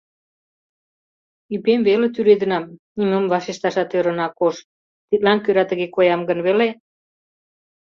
— Ӱпем веле тӱредынам, — нимом вашешташат ӧрын Акош, — тидлан кӧра тыге коям гын веле.